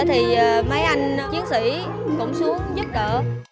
thì mấy anh chiến sĩ cũng xuống giúp đỡ